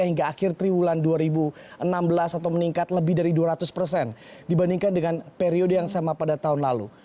hingga akhir triwulan dua ribu enam belas atau meningkat lebih dari dua ratus persen dibandingkan dengan periode yang sama pada tahun lalu